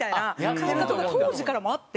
感覚が当時からあって。